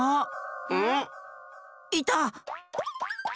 ⁉いた！